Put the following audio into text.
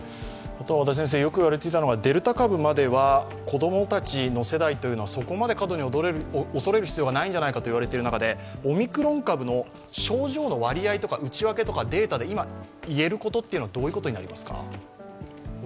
よく言われていたのが、デルタ株までは子供たちの世代というのはそこまで過度に恐れることはないのではないかと言われている中で、オミクロン株の症状の割合とか内訳とかデータで今、言えることってどういうことになりますか？